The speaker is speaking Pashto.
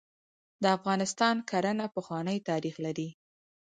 د افغانستان کرهڼه پخوانی تاریخ لري .